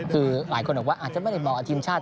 คือหลายคนบอกว่าอาจจะไม่ได้เหมาะกับทีมชาติ